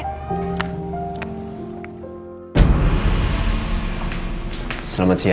jadi orang dakang juga